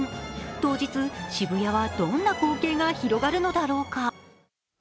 当日、渋谷はどんな光景が広がるのだろうか。